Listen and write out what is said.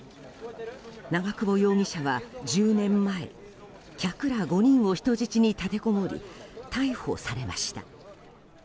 長久保容疑者は、１０年前客ら５人を人質に立てこもり逮捕されました。